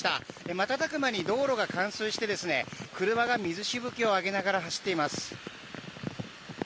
瞬く間に道路が冠水して車が水しぶきを上げながら走っています。